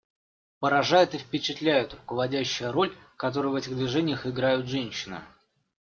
Поражает и впечатляет руководящая роль, которую в этих движениях играют женщины.